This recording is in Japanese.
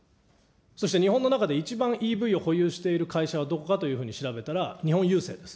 そして日本の中で一番ＥＶを保有している会社はどこかというふうに調べたら、日本郵政です。